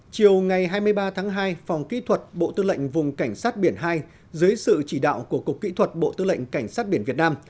chiều ngày hai mươi ba tháng hai phòng kỹ thuật bộ tư lệnh vùng cảnh sát biển hai dưới sự chỉ đạo của cục kỹ thuật bộ tư lệnh cảnh sát biển việt nam